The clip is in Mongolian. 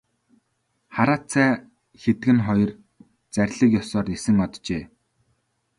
Хараацай хэдгэнэ хоёр зарлиг ёсоор нисэн оджээ.